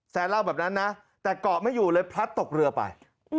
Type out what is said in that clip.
เล่าแบบนั้นนะแต่เกาะไม่อยู่เลยพลัดตกเรือไป